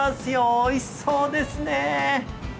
おいしそうですね。